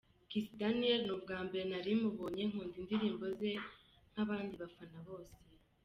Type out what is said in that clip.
Kiss daniel ni ubwambere nari mubonye, nkunda indirimbo ze nk’abandi bafana bose.